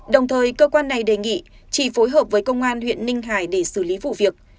đồng thời cơ quan này đề nghị chỉ phối hợp với công an huyện ninh hải để xử lý vụ việc